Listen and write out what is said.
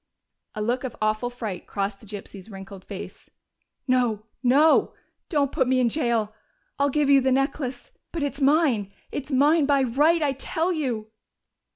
A look of awful fright crossed the gypsy's wrinkled face. "No! No! Don't put me in jail! I'll give you the necklace. But it's mine it's mine by right, I tell you!"